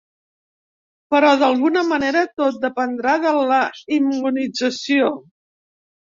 Però d’alguna manera tot dependrà de la immunització.